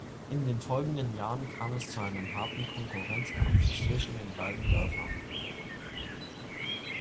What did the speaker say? In den folgenden Jahren kam es zu einem harten Konkurrenzkampf zwischen den beiden Dörfern.